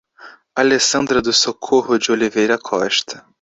Alessandra do Socorro de Oliveira Costa